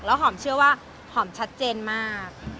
หอมเชื่อว่าหอมชัดเจนมาก